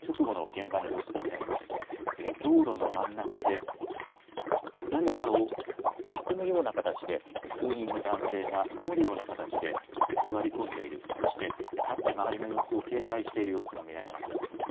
現場、道路の真ん中で誰かを囲むような形で数人の男性が守るような形で座り込んでいる、そして立って周りの様子を警戒している様子が見られます。